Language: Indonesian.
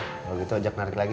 kalau gitu ajak narik lagi